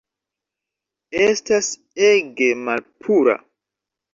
Estas ege malpura